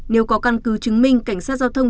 nếu có căn cứ chứng minh cảnh sát giao thông